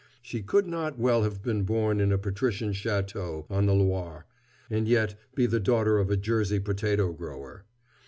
She could not well have been born in a patrician château on the Loire, and yet be the daughter of a Jersey potato grower.